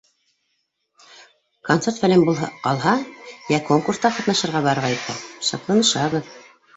Концерт-фәлән була ҡалһа йә конкурста ҡатнашырға барырға итһәк, — шатланышабыҙ.